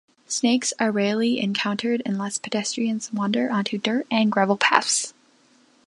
Snakes are rarely encountered unless pedestrians wander onto dirt and gravel paths.